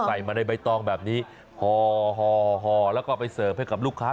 ใส่มาในใบตองแบบนี้ห่อแล้วก็ไปเสิร์ฟให้กับลูกค้า